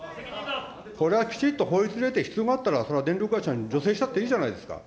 これはきちっと法律に入れて、必要があったら、それは電力会社に助成したって、いいじゃないですか。